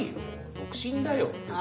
独身だよって。